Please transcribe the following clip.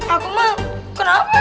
aku mah kenapa